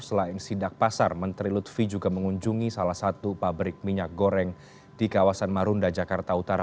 selain sidak pasar menteri lutfi juga mengunjungi salah satu pabrik minyak goreng di kawasan marunda jakarta utara